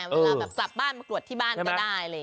กลับบ้านปรวจที่บ้านก็ได้